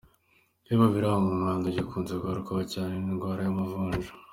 Kimwe mu biranga umwanda gikunze kugarukwaho cyane, ni indwara y’amavunja.